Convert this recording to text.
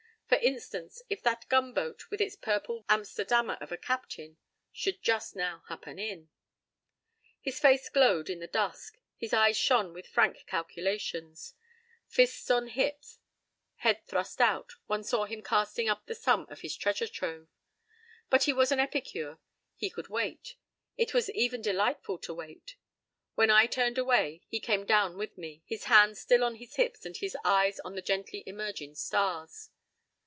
For instance, if that gunboat, with its purple whiskered Amsterdammer of a captain, should just now happen in. His face glowed in the dusk. His eyes shone with frank calculations. Fists on hips, head thrust out, one saw him casting up the sum of his treasure trove.—But he was an epicure. He could wait. It was even delightful to wait. When I turned away he came down with me, his hands still on his hips and his eyes on the gently emerging stars.